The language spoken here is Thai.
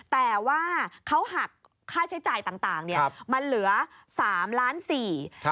แต่ว่าเขาหักค่าใช้จ่ายต่างมันเหลือ๓๔ล้านบาท